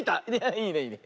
いいねいいね。